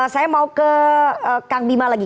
saya mau ke kang bima lagi